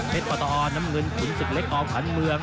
เม็ดปอตออนน้ำเงินขุนสึกเล็กออกผ่านเมือง